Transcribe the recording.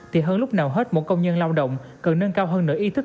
thì hơn lúc nào hết một công nhân lao động cần nâng cao hơn nợ ý thức